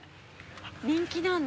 人気なんだ